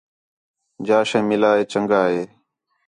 جَا شے مِلا ہے چَنڳا ہے